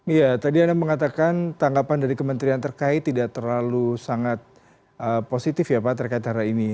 iya tadi anda mengatakan tanggapan dari kementerian terkait tidak terlalu sangat positif ya pak terkait hal ini